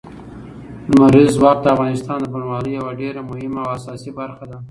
لمریز ځواک د افغانستان د بڼوالۍ یوه ډېره مهمه او اساسي برخه ده.